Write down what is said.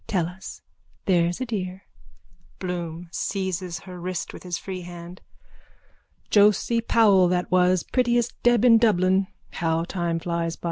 Tell us, there's a dear. BLOOM: (Seizes her wrist with his free hand.) Josie Powell that was, prettiest deb in Dublin. How time flies by!